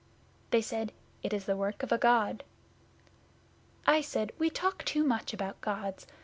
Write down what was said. They said, "It is the work of a God." I said, "We talk too much about Gods.